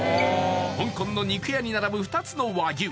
香港の肉屋に並ぶ２つの和牛